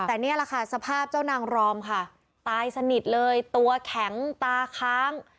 แต่นี่แหละค่ะสภาพเจ้านางรอมค่ะตายสนิทเลยตัวแข็งตาค้าง